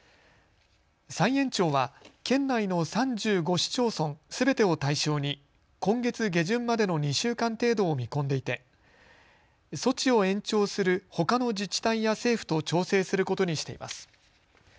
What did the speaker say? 再延長は県内の３５市町村すべてを対象に今月下旬までの２週間程度を見込んでいて措置を延長するほかの自治体や政府と調整することにしています。